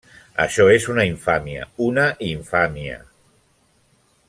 -Això és una infàmia, una infàmia!